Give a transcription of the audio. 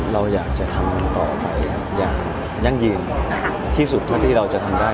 เราอยากจะทำต่อไปอย่างยั่งยืนที่สุดเท่าที่เราจะทำได้